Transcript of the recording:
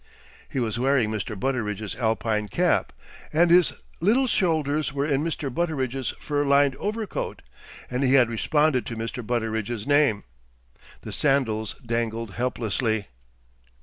He was wearing Mr. Butteridge's Alpine cap, and his little shoulders were in Mr. Butteridge's fur lined overcoat, and he had responded to Mr. Butteridge's name. The sandals dangled helplessly.